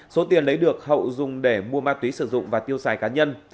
số tiền lấy được hậu dùng để mua ma túy sử dụng và tiêu xài cá nhân